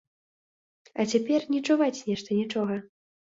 А цяпер не чуваць нешта нічога.